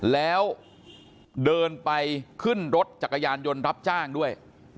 แล้วเดินไปขึ้นรถจักรยานยนต์รับจ้างด้วย